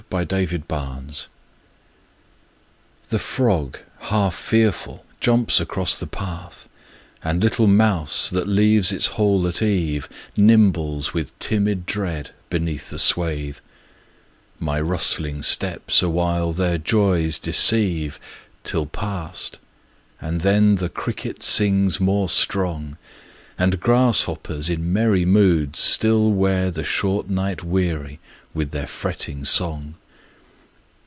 Summer Evening The frog half fearful jumps across the path, And little mouse that leaves its hole at eve Nimbles with timid dread beneath the swath; My rustling steps awhile their joys deceive, Till past, and then the cricket sings more strong, And grasshoppers in merry moods still wear The short night weary with their fretting song.